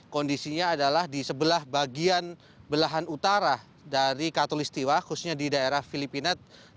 kondisinya adalah di sebelah bagian belahan utara dari katolistiwa khususnya di daerah filipina